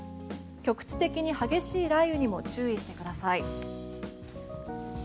局地的に激しい雷雨にも注意してください。